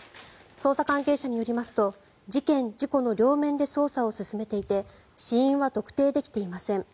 捜査関係者によりますと事件・事故の両面で捜査を進めていて死因は特定できていません。